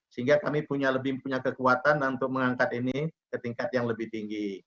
sehingga kami punya kekuatan untuk mengangkat ini ke tingkat yang lebih tinggi